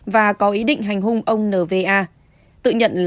và có ý định hành hung ông nva